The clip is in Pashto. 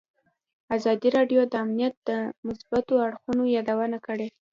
ازادي راډیو د امنیت د مثبتو اړخونو یادونه کړې.